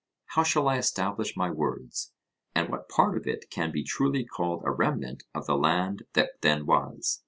How shall I establish my words? and what part of it can be truly called a remnant of the land that then was?